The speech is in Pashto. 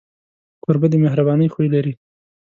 کوربه د مهربانۍ خوی لري.